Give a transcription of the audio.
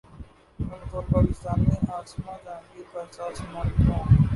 میں بطور پاکستانی عاصمہ جہانگیر کا احساس مند ہوں۔